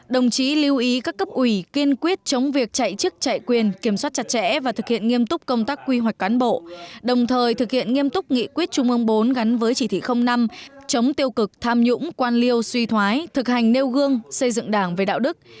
đồng chí lưu ý các cấp ủy kiên quyết chống việc chạy chức chạy quyền kiểm soát chặt chẽ và thực hiện nghiêm túc công tác quy hoạch cán bộ đồng thời thực hiện nghiêm túc nghị quyết trung ương bốn gắn với chỉ thị năm chống tiêu cực tham nhũng quan liêu suy thoái thực hành nêu gương xây dựng đảng về đạo đức